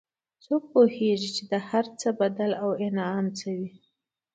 څوک پوهیږي چې د هر کار بدل او انعام څه وي